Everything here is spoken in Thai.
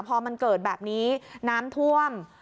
พอมันเกิดแบบนี้น้ำท่วม